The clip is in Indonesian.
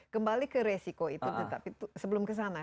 kembali ke resiko itu tetapi sebelum kesana